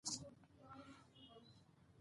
راجنیکانټ هم د کرکټ د پاره مشهوره لوبغاړی و.